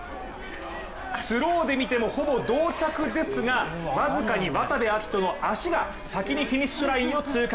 スローで見てもほぼ同着ですが僅かに渡部暁斗の足が先にフィニッシュラインを通過。